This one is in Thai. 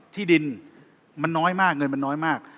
ที่ดินมันน้อยมากเงินมันน้อยมาก